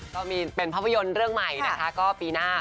ก็เป็นภาพยนตร์เรื่องใหม่นะคะก็ปีหน้า